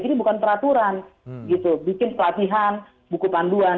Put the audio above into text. ini bukan peraturan gitu bikin pelatihan buku panduan